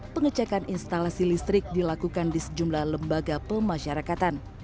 pengecekan instalasi listrik dilakukan di sejumlah lembaga pemasyarakatan